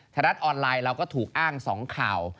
รัฐออนไลน์เราก็ถูกอ้าง๒ข่าว